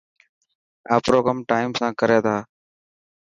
آپرو ڪم ٽائم سان ڪري ٿا.